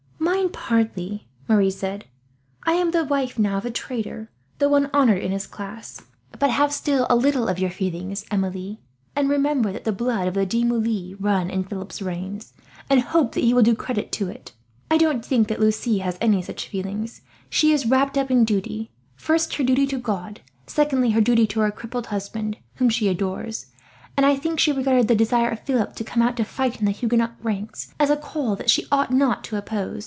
"Mine partly," Marie said. "I am the wife now of a trader, though one honoured in his class; but have still a little of your feelings, Emilie, and remember that the blood of the De Moulins runs in Philip's veins, and hope that he will do credit to it. I don't think that Lucie has any such feelings. She is wrapt up in duty first her duty to God, secondly her duty to her crippled husband, whom she adores; and I think she regarded the desire of Philip to come out to fight in the Huguenot ranks as a call that she ought not to oppose.